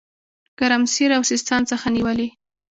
ګرمسېر او سیستان څخه نیولې.